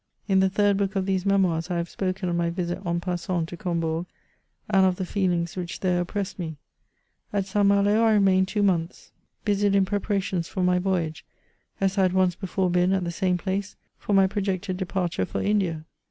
In the third book of these Memoirs I have spoken of my risit en passant to Combourg, and of the fedings which there oppressed me. At St. Malo I remained two monthsy busied in preparations for my Toyage, as I had once before been, at the same place, for my projected departure for India.